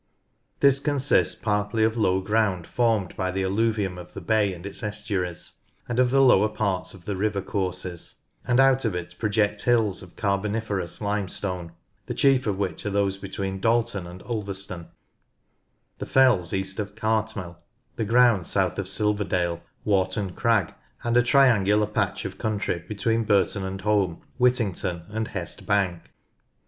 This consists partly of low ground formed by the alluvium of the bay and its estuaries, and of the lower parts of the river courses, and out of it project hills of Carboniferous Limestone, the chief of which are those between Dal ton and Ulverston, the fells east of Cartmel, the ground south of Silverdale, Warton Crag, and a triangular patch of country between Burton and Holme, Whittington, ami Hest Bank.